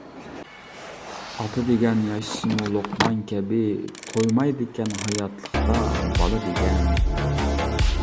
ئاتا دېگەن ياشىسىمۇ لوقمان كەبى، تويمايدىكەن ھاياتلىقتا بالا دېگەن.